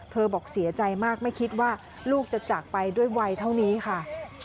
บอกเสียใจมากไม่คิดว่าลูกจะจากไปด้วยวัยเท่านี้ค่ะ